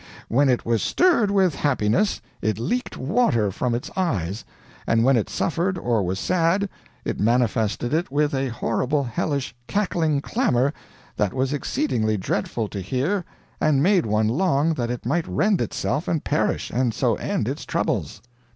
When it was stirred with happiness, it leaked water from its eyes; and when it suffered or was sad, it manifested it with a horrible hellish cackling clamor that was exceeding dreadful to hear and made one long that it might rend itself and perish, and so end its troubles.